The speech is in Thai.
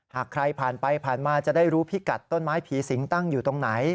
หากใครผ่านไปผ่านมาจะได้รู้พิกัดต้นไม้ผีสิงตั้งอยู่ตรงไหน